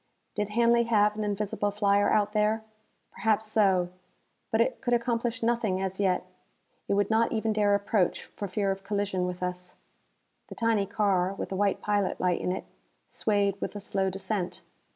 Did Hanley have an invisible flyer out there? Perhaps so. But it could accomplish nothing as yet. It would not even dare approach, for fear of collision with us. The tiny car, with a white pilot light in it, swayed with a slow descent.